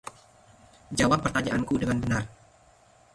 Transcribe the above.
Jawab pertanyaanku dengan benar.